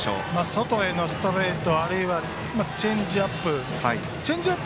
外へのストレートあるいはチェンジアップ。